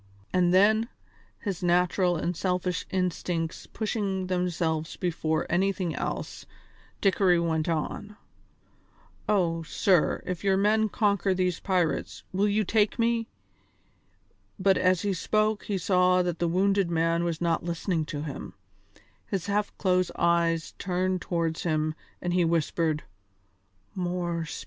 And then, his natural and selfish instincts pushing themselves before anything else, Dickory went on: "Oh, sir, if your men conquer these pirates will you take me " but as he spoke he saw that the wounded man was not listening to him; his half closed eyes turned towards him and he whispered: "More spirits!"